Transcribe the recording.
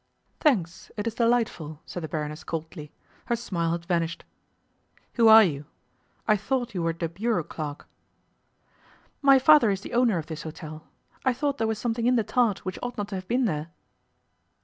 'Thanks, it is delightful,' said the Baroness coldly; her smile had vanished. 'Who are you? I thought you were de bureau clerk.' 'My father is the owner of this hotel. I thought there was something in the tart which ought not to have been there.